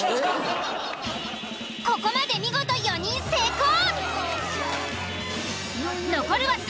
［ここまで見事４人成功］